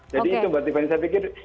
jadi itu mbak tiffany saya pikir